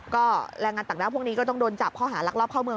ก็แรงงานต่างด้าวพวกนี้ก็ต้องโดนจับข้อหารักรอบเข้าเมือง